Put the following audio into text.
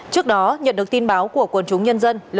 trước đó nhận được tin báo của quần chúng nhân dân